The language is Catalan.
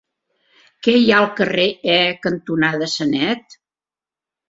Què hi ha al carrer E cantonada Sanet?